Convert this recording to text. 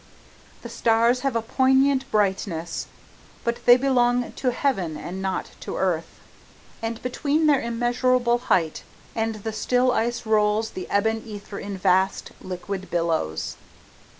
The stars have a poignant brightness, but they belong to heaven and not to earth, and between their immeasurable height and the still ice rolls the ebon ether in vast, liquid billows.